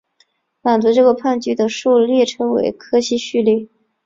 满足这个判据的数列称为柯西序列。